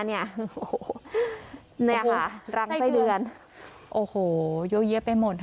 เนี้ยโอ้โหเนี้ยค่ะรังไส้เดือนโอ้โหยั่วเยี้ยไปหมดค่ะ